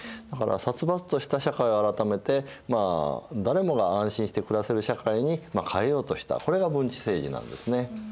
だから殺伐とした社会を改めてまあ誰もが安心して暮らせる社会に変えようとしたこれが文治政治なんですね。